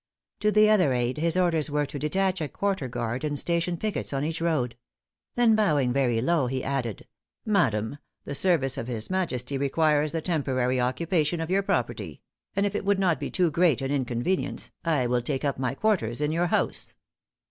To the other aid his orders were to detach a quarter guard and station piquets on each road. Then bowing very low, he added: "Madam, the service of His Majesty requires the temporary occupation of your property; and if it would not be too great an inconvenience, I will take up my quarters in your house."